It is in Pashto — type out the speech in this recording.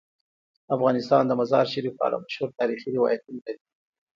افغانستان د مزارشریف په اړه مشهور تاریخی روایتونه لري.